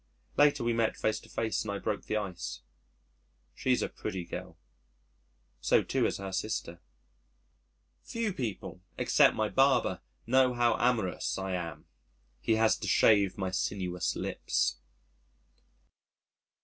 Later we met face to face and I broke the ice. She's a pretty girl.... So too is her sister. Few people, except my barber, know how amorous I am. He has to shave my sinuous lips.